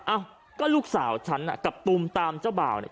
อ้าวก็ลูกสาวฉันน่ะกับตูมตามเจ้าบ่าวเนี่ย